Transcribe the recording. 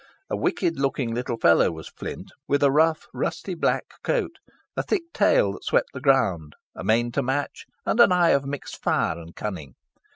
A wicked looking little fellow was Flint, with a rough, rusty black coat, a thick tail that swept the ground, a mane to match, and an eye of mixed fire and cunning.